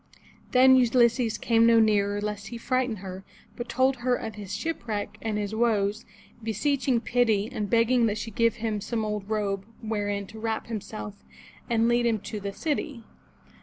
Then Ulysses came no nearer lest he frighten her, but told her of his shipwreck and his woes, beseeching pity, and begging that she give him some old robe wherein to wrap himself, and lead him to the city.